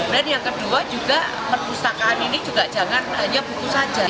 yang kedua juga perpustakaan ini juga jangan hanya buku saja